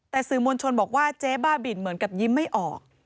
แต่สื่อมวลชนบอกว่าเจ๊บ้าบินเหมือนกับยิ้มไม่ออก